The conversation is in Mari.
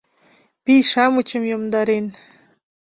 Пий-шамычшым йомдарен